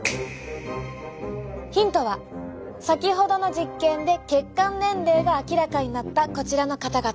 ヒントは先ほどの実験で血管年齢が明らかになったこちらの方々。